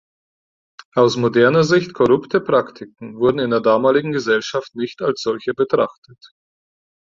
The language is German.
Aus moderner Sicht korrupte Praktiken wurden in der damaligen Gesellschaft nicht als solche betrachtet.